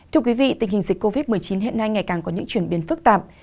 thưa quý vị tình hình dịch covid một mươi chín hiện nay ngày càng có những chuyển biến phức tạp